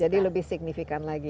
jadi lebih signifikan lagi